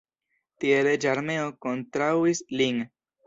Tie reĝa armeo kontraŭis lin.